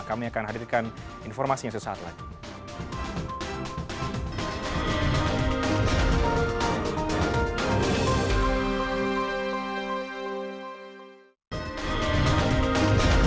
kami akan hadirkan informasinya sesaat lagi